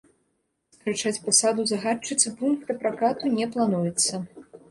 Скарачаць пасаду загадчыцы пункта пракату не плануецца.